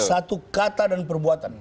satu kata dan perbuatan